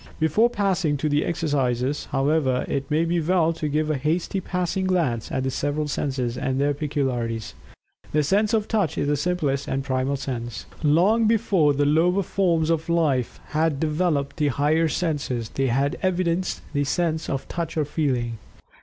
Before passing to the exercises, however, it may be well to give a hasty passing glance at the several senses, and their peculiarities. The sense of Touch is the simplest and primal sense. Long before the lower forms of life had developed the higher senses, they had evidenced the sense of Touch or Feeling.